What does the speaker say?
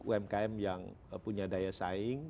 umkm yang punya daya saing